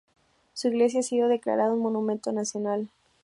Su iglesia ha sido declarada un monumento nacional.